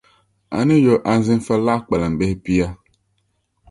a ni yo anzinfa laɣ’ kpalambihi pia.